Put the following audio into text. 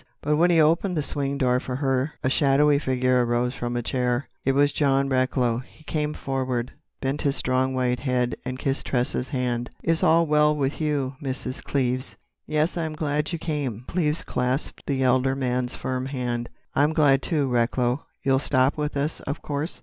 But when he opened the swing door for her a shadowy figure arose from a chair. It was John Recklow. He came forward, bent his strong white head, and kissed Tressa's hand. "Is all well with you, Mrs. Cleves?" "Yes. I am glad you came." Cleves clasped the elder man's firm hand. "I'm glad too, Recklow. You'll stop with us, of course."